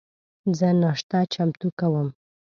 زه ناشته چمتو کوم